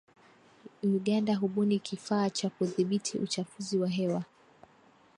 Uganda hubuni kifaa cha kudhibiti uchafuzi wa hewa